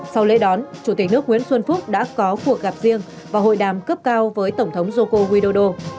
sau lễ đón chủ tịch nước nguyễn xuân phúc đã có cuộc gặp riêng và hội đàm cấp cao với tổng thống joko widodo